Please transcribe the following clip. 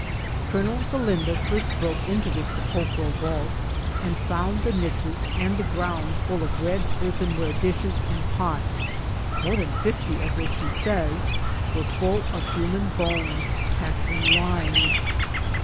Colonel Ghdin do first broke into this sepulchral vault, and found the niches and the ground full of red earthenware dishes and pots, more than fifty of which, he says, were full of human bones, packed in lime.